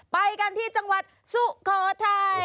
ไปกันที่จังหวัดสุโขทัย